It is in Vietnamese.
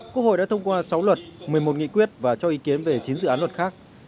quốc hội đã thông qua sáu luật một mươi một nghị quyết và cho ý kiến về chín dự án luật khác